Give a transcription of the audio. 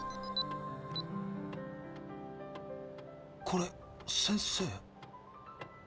これ先生？